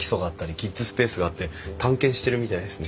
キッズスペースがあって探検してるみたいですね。